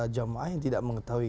jamaah yang tidak mengetahui